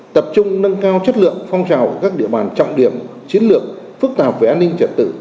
tập trung nâng cao chất lượng phong trào các địa bàn trọng điểm chiến lược phức tạp về an ninh trật tự